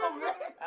ininya ke atas